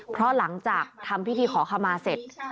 เพราะหลังจากทำพิธีขอขมาเสร็จ